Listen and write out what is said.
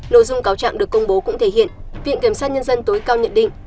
nội dung cáo trạng được công bố cũng thể hiện viện kiểm sát nhân dân tối cao nhận định